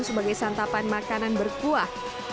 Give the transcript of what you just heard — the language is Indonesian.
sebagai santapan makanan berkuah